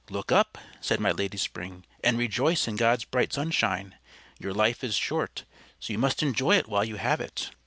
"Look up," said my Lady Spring, "and rejoice in God's bright sunshine. Your life is short, so you must enjoy it while you have it."